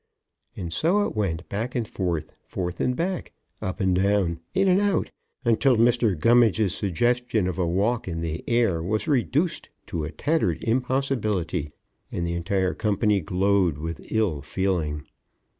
And so it went, back and forth, forth and back, up and down, and in and out, until Mr. Gummidge's suggestion of a walk in the air was reduced to a tattered impossibility and the entire company glowed with ill feeling.